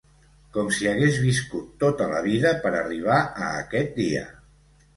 Com si hagués viscut tota la vida per arribar a aquest dia.